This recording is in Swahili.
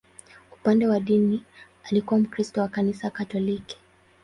Upande wa dini, alikuwa Mkristo wa Kanisa Katoliki.